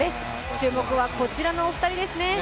注目はこちらのお二人ですね。